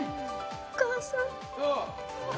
お母さん。